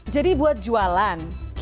jadi buat jualan gitu